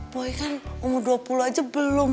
boy kan umur dua puluh aja belum